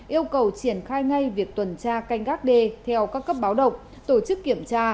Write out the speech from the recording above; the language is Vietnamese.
yêu cầu triển khai ngay việc tuần tra canh gác đê theo các cấp báo động tổ chức kiểm tra